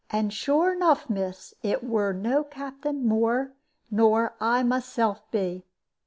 And sure enough, miss, it were no Captain more nor I myself be."